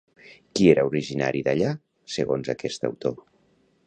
Qui era originari d'allà, segons aquest autor?